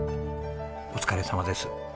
お疲れさまです。